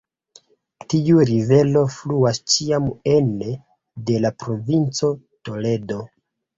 Tiu rivero fluas ĉiam ene de la provinco Toledo.